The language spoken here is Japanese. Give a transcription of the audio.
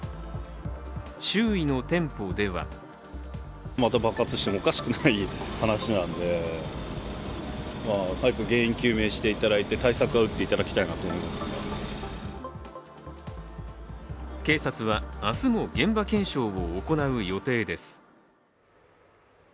周囲の店舗では警察は明日も現場検証を行う予定です。